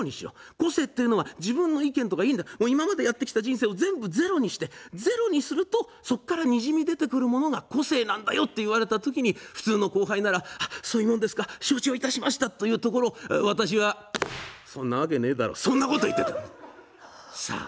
個性は自分の意見はいいやってきた人生をゼロにしてゼロにするとそこからにじみ出てくるものが個性だと言われた時普通の後輩ならそういうものですか承知いたしましたと言うところ私はそんなわけねえだろうと言っていた。